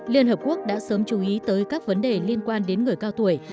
liên hợp quốc đã sớm chú ý tới các vấn đề liên quan đến người cao tuổi